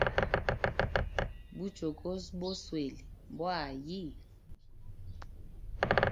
Buchokozi boswele mbwa ayi?